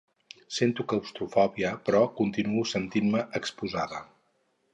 Sento claustrofòbia, però continuo sentint-me exposada.